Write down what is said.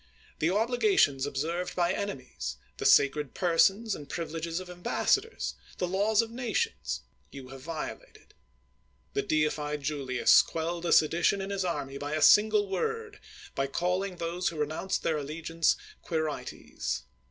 The obligations ob served by enemies — the sacred persons and privi leges of ambassadors — the laws of nations — you have violated. The deified Julius quelled a sedi tion in his army by a single word — by calling those who renounced their allegiance Quirites."